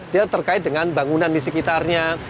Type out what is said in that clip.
dia terkait dengan bangunan di sekitarnya